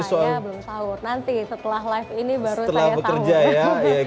saya belum sahur nanti setelah live ini baru saya sahur ya